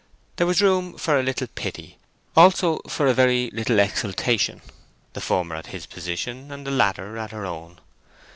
There was room for a little pity, also for a very little exultation: the former at his position, the latter at her own.